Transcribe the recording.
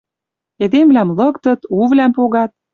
Эдемвлӓм лыктыт, увлӓм погат.